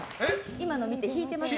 今の見て、引いてません？